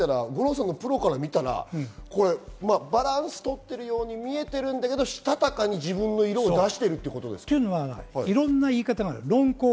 五郎さんから見たらバランスを取っているように見えているけれど、したたかに自分の色を出しているということですか？